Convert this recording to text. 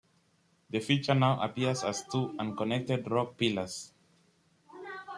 The feature now appears as two unconnected rock pillars.